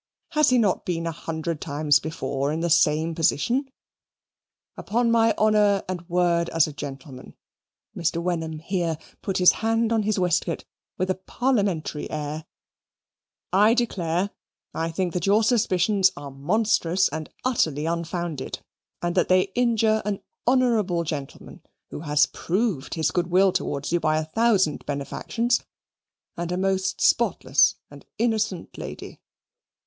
Has he not been a hundred times before in the same position? Upon my honour and word as a gentleman" Mr. Wenham here put his hand on his waistcoat with a parliamentary air "I declare I think that your suspicions are monstrous and utterly unfounded, and that they injure an honourable gentleman who has proved his good will towards you by a thousand benefactions and a most spotless and innocent lady."